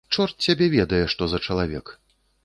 Чорт цябе ведае, што за чалавек.